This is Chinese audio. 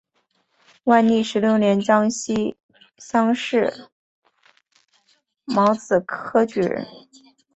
万历十六年江西乡试戊子科举人。